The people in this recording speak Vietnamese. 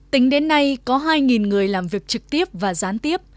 tính đến nay có hai người làm việc trực tiếp và gián tiếp